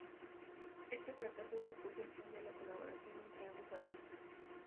Este fracaso supuso el fin de la colaboración entre ambos artistas.